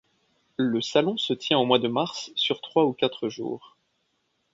Le salon se tient au mois de mars sur trois ou quatre jours.